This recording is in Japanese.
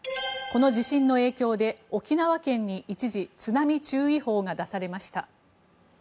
この地震の影響で沖縄県に一時津波注意報が出されました。